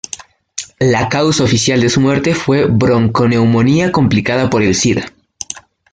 La causa oficial de su muerte fue bronconeumonía complicada por el sida.